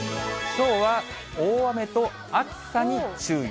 きょうは大雨と暑さに注意。